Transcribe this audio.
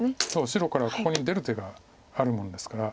白からここに出る手があるもんですから。